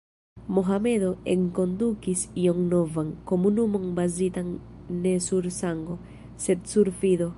Mohamedo enkondukis ion novan: komunumon bazitan ne sur sango, sed sur fido.